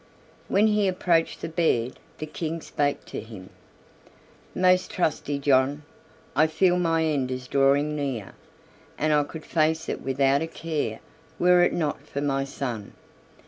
When he approached the bed the King spake to him: "Most trusty John, I feel my end is drawing near, and I could face it without a care were it not for my son.